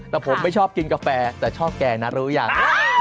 แต่ผมไม่ชอบกินกาแฟแต่ชอบแกงนะรู้ยัง